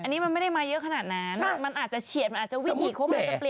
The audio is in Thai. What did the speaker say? นางคิดแบบว่าไม่ไหวแล้วไปกด